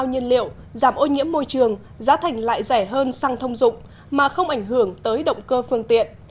nhiên liệu giảm ô nhiễm môi trường giá thành lại rẻ hơn sang thông dụng mà không ảnh hưởng tới động cơ phương tiện